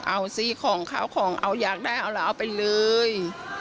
เอาสิของข้าวของเอาอยากได้เอาแล้วเอาไปเลย